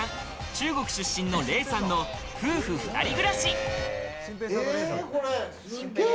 中国出身の麗さんの夫婦２人暮らし。